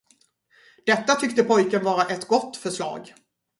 Detta tyckte pojken vara ett gott förslag.